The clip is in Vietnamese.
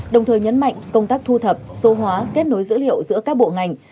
đồng thời nhấn mạnh công tác thu thập số hóa kết nối dữ liệu giữa các bộ ngành